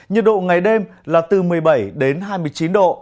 nhiệt độ ngày đêm là từ một mươi bảy đến hai mươi chín độ